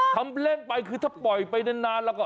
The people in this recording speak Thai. ทำเล่นไปคือถ้าปล่อยไปนานแล้วก็